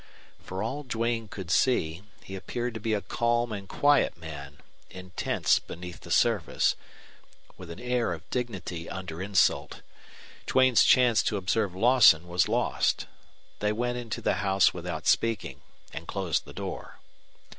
For all Duane could see, he appeared to be a calm and quiet man, intense beneath the surface, with an air of dignity under insult. Duane's chance to observe Lawson was lost. They went into the house without speaking and closed the door.